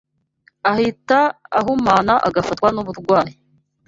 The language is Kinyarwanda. ahita ahumana agafatwa n’uburwayi.